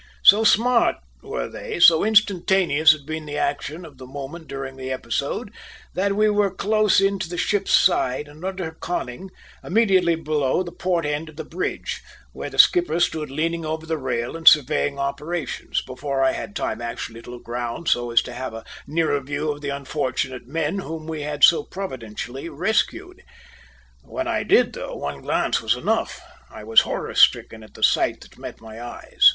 So smart were they, so instantaneous had been the action of the moment during the episode, that we were close in to the ship's side and under her conning, immediately below the port end of the bridge, where the skipper stood leaning over the rail and surveying operations, before I had time actually to look round so as to have a nearer view of the unfortunate men whom we had so providentially rescued. When I did though, one glance was enough. I was horror stricken at the sight that met my eyes.